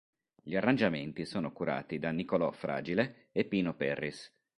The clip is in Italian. Gli arrangiamenti sono curati da Nicolò Fragile e Pino Perris.